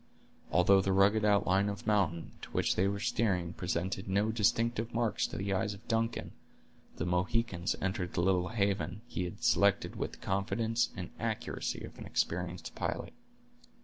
Although the rugged outline of mountain, to which they were steering, presented no distinctive marks to the eyes of Duncan, the Mohican entered the little haven he had selected with the confidence and accuracy of an experienced pilot.